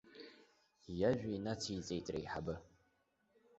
Иажәа инациҵеит реиҳабы.